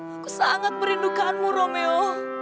aku sangat perlindunganmu romeo